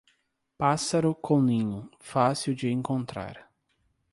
Pássaro com ninho, fácil de encontrar.